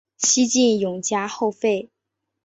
西晋永嘉后废。